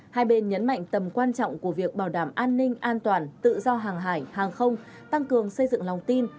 hai bên nhấn mạnh tầm quan trọng của việc bảo đảm an ninh an toàn tự do hàng hải hàng không tăng cường xây dựng lòng tin